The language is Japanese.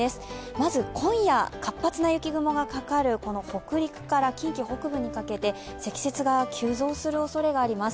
まず今夜、活発な雪雲がかかる北陸から近畿北部にかけて積雪が急増するおそれがあります。